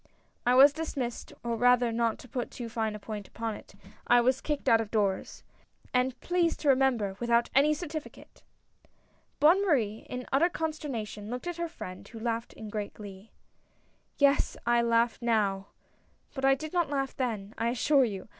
I was dismissed, or rather not to put too fine a point upon it, I was kicked out of doors. And, please to remember, without any certificate !" Bonne Marie, in utter consternation, looked at her friend, who laughed in great glee. "Yes — I laugh now, but I did not laugh then, I assure you!